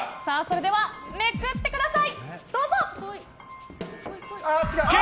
では、めくってください！